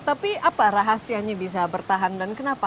tapi apa rahasianya bisa bertahan dan kenapa